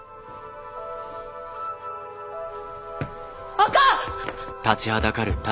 あかん！